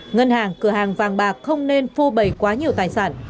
ngân hàng cửa hàng vàng bạc không nên phô bầy quá nhiều tài sản